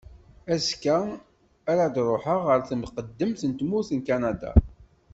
Azekka ara d-ruḥeɣ ɣer temqeddemt n tmurt n Kanada.